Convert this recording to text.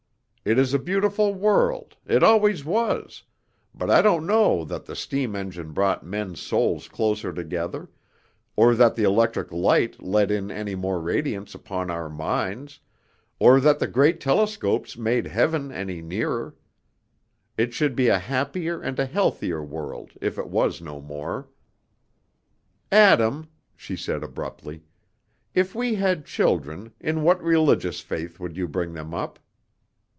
It is a beautiful world, it always was, but I don't know that the steam engine brought men's souls closer together, or that the electric light let in any more radiance upon our minds, or that the great telescopes made heaven any nearer. It should be a happier and a healthier world, if it was no more." "Adam," she said abruptly, "if we had children, in what religious faith would you bring them up?"